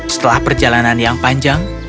setelah perjalanan yang panjang